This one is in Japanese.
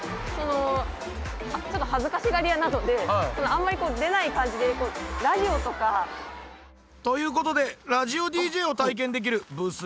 ちょっと恥ずかしがり屋なのであんまり出ない感じでこうラジオとか。ということでラジオＤＪを体験できるブースへご案内！